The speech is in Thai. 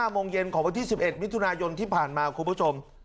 โมงเย็นของวันที่๑๑มิถุนายนที่ผ่านมาคุณผู้ชม